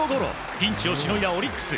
ピンチをしのいだオリックス。